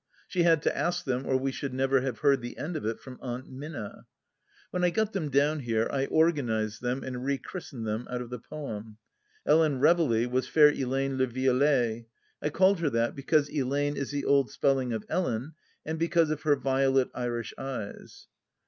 She had to ask them, or we should never have heard the end of it from Aunt Minna. When I got them down here I organized them and re christened them out of the poem. Ellen Reveley was Fair Ellayne le Violet. I called her that because EUayne is the old spelling of Ellen, and because of her violet Irish eyes.